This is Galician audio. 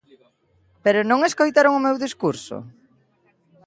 ¿Pero non escoitaron o meu discurso?